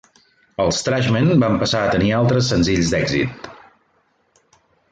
Els Trashmen van passar a tenir altres senzills d'èxit.